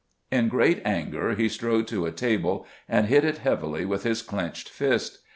In great anger he strode to a table and hit it heavily with his clenched fist.